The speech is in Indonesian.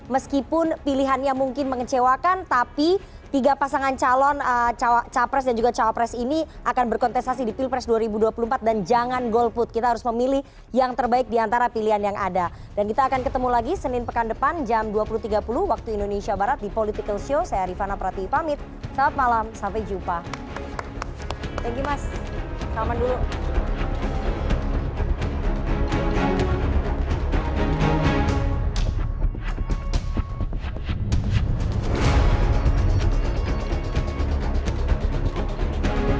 meskipun pilihannya mungkin mengecewakan tapi tiga pasangan calon capres dan juga cawapres ini akan berkontestasi di pilpres dua ribu dua puluh empat dan jangan golput kita harus memilih yang terbaik diantara pilihan yang ada dan kita akan ketemu lagi senin pekan depan jam dua puluh tiga puluh waktu indonesia barat di political show saya rifana prati pamit selamat malam sampai jumpa